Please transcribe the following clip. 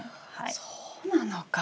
そうなのか。